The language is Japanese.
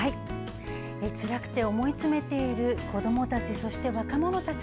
つらくて思い詰めている子どもたち、若者たち。